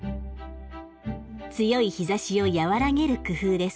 強い日ざしを和らげる工夫です。